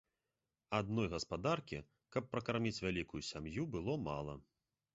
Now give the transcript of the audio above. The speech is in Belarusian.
Адной гаспадаркі, каб пракарміць вялікую сям'ю, было мала.